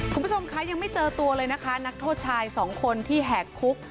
คุณผู้ชมคะยังไม่เจอตัวเลยนะคะนักโทษชายสองคนที่แหกคุก